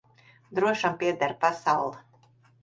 Drošam pieder pasaule.